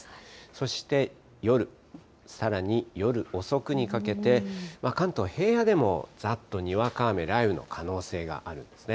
そして夜、さらに夜遅くにかけて、関東、平野でもざーっとにわか雨、雷雨の可能性があるんですね。